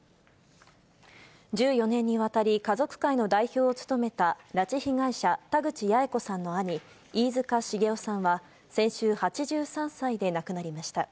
１４年にわたり、家族会の代表を務めた拉致被害者、田口八重子さんの兄、飯塚繁雄さんは、先週、８３歳で亡くなりました。